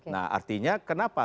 nah artinya kenapa